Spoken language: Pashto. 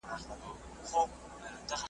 په تور یې د پردۍ میني نیولی جهاني یم .